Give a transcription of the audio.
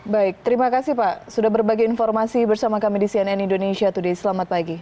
baik terima kasih pak sudah berbagi informasi bersama kami di cnn indonesia today selamat pagi